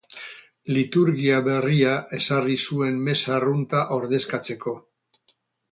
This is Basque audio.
Liturgia berria ezarri zuen meza arrunta ordezkatzeko.